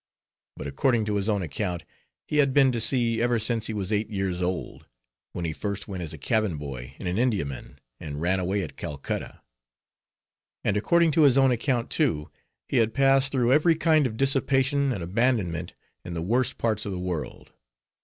But according to his own account, he had been to sea ever since he was eight years old, when he first went as a cabin boy in an Indiaman, and ran away at Calcutta. And according to his own account, too, he had passed through every kind of dissipation and abandonment in the worst parts of the world.